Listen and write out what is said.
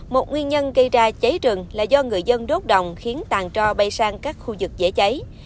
một nguyên nhân gây ra cháy rừng là do người dân đốt đồng khiến tàn trò bay sang các khu vực dễ cháy